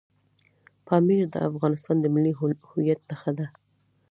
پامیر د افغانستان د ملي هویت نښه ده.